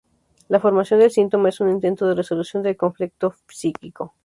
La formación del síntoma es un intento de resolución del conflicto psíquico.